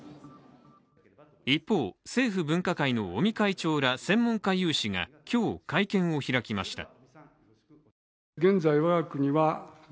一方、政府分科会の尾身会長ら専門家有志が今日、会見を開きました。